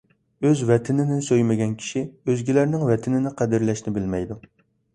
ئۆز ۋەتىنىنى سۆيمىگەن كىشى ئۆزگىلەرنىڭ ۋەتىنىنى قەدىرلەشنى بىلمەيدۇ.